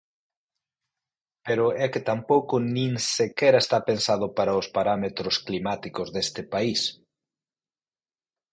Pero é que tampouco nin sequera está pensado para os parámetros climáticos deste país.